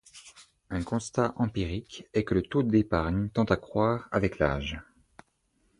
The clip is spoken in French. Un constat empirique est que le taux d'épargne tend à croître avec l’âge.